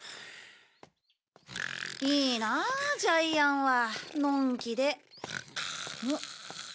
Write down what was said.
いいなあジャイアンはのんきで。